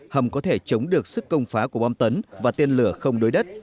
hầm có thể chống được sức công phá của bom tấn và tên lửa không đối đất